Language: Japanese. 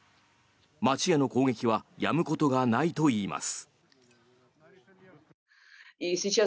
街への攻撃はやむことがないといいます。